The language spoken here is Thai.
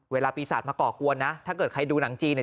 เวลาปีศาจมาก่อกวนนะถ้าเกิดใครดูหนังจีนเนี่ย